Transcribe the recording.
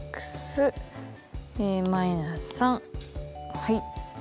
はい。